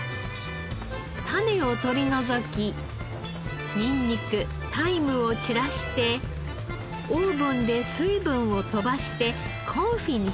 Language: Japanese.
種を取り除きニンニクタイムを散らしてオーブンで水分を飛ばしてコンフィにします。